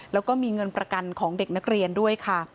แล้วก็มีเงินประกันของเด็กนักเรียนด้วยค่ะ